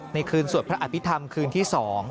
คืนสวดพระอภิษฐรรมคืนที่๒